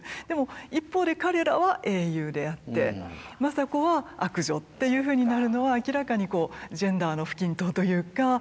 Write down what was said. でも一方で彼らは英雄であって政子は悪女っていうふうになるのは明らかにジェンダーの不均等というか。